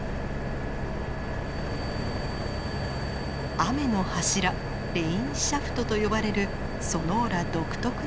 雨の柱レインシャフトと呼ばれるソノーラ独特の現象。